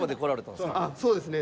そうですね。